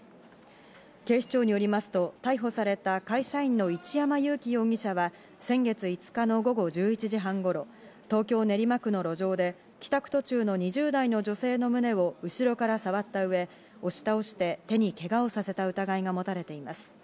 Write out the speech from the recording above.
警視庁によりますと逮捕された会社員の一山祐喜容疑者は、先月５日の午後１１時半頃、東京・練馬区の路上で帰宅途中の２０代の女性の胸を後ろから触った上、押し倒して、手にけがをさせた疑いがもたれています。